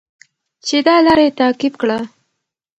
چې دا لاره یې تعقیب کړه.